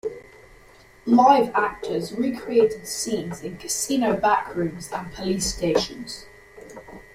Live actors recreated scenes in casino backrooms and police stations.